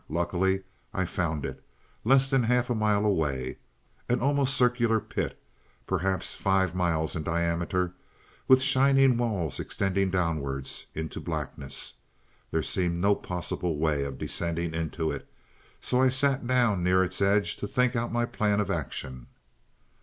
Luckily I found it, less than half a mile away an almost circular pit, perhaps five miles in diameter, with shining walls extending downwards into blackness. There seemed no possible way of descending into it, so I sat down near its edge to think out my plan of action.